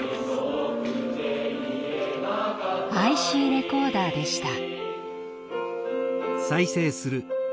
ＩＣレコーダーでした。